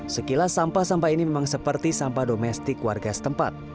sekilas sampah sampah ini memang seperti sampah domestik warga setempat